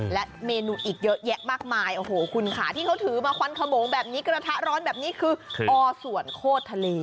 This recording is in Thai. และเมนูอีกเยอะแยะมากมายโอ้โหคุณค่ะที่เขาถือมาควันขโมงแบบนี้กระทะร้อนแบบนี้คืออสวนโคตรทะเล